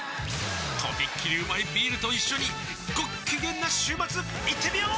とびっきりうまいビールと一緒にごっきげんな週末いってみよー！